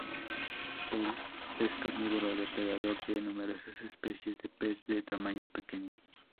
Es carnívoro, depredador de numerosas especies de pez de tamaño pequeño.